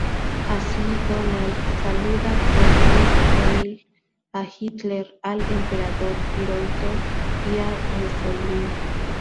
Así, Donald saluda con un "Heil" a Hitler, al emperador Hirohito y a Mussolini.